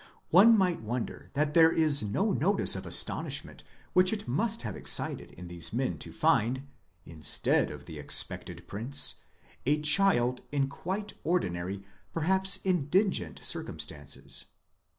One might wonder that there is no notice of the astonishment which it must have excited in these men to find, instead of the expected prince, a child in quite ordinary, perhaps indigent circumstances.!